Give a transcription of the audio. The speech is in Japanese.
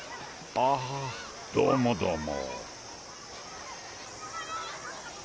あどうもどうも。